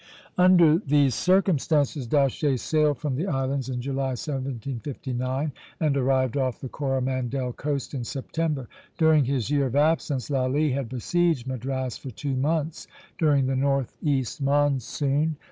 Under these circumstances D'Aché sailed from the islands in July, 1759, and arrived off the Coromandel coast in September. During his year of absence Lally had besieged Madras for two months, during the northeast monsoon.